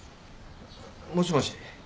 もしもし。